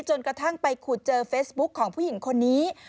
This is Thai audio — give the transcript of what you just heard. จนกระทั่งไปขุดเจอเฟซบุ๊คของผู้หญิงคนนี้